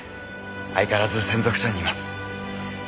相変わらず千束署にいます。